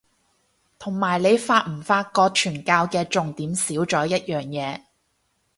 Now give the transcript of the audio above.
同埋你發唔發覺傳教嘅重點少咗一樣嘢